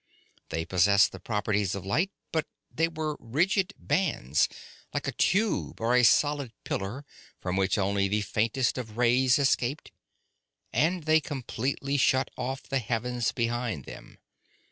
They possessed the properties of light, but they were rigid bands like a tube or a solid pillar from which only the faintest of rays escaped; and they completely shut off the heavens behind them.